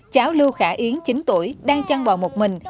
cháu lưu khả yến chín tuổi đang chăn bò một mình